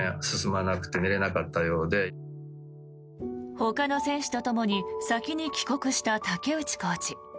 ほかの選手とともに先に帰国した竹内コーチ。